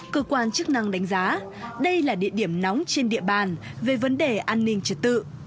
cơ quan chức năng đánh giá đây là địa điểm nóng trên địa bàn về vấn đề an ninh trật tự